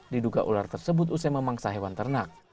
diduga ular tersebut usai memangsa hewan ternak